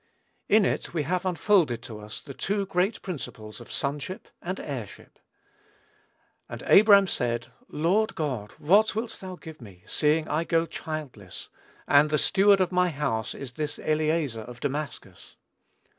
In it we have unfolded to us the two great principles of sonship and heirship. "And Abram said, Lord God, what wilt thou give me, seeing I go childless, and the steward of my house is this Eliezer of Damascus?